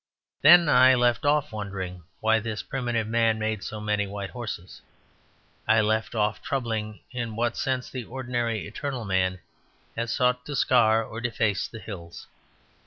Then I left off wondering why the primitive man made so many white horses. I left off troubling in what sense the ordinary eternal man had sought to scar or deface the hills.